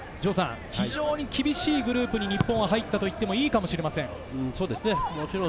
非常に厳しいグループに日本は入ったといってもいいかもしれません。